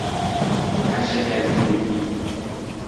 پشه گزیدگی